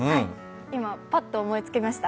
今、パッと思いつきました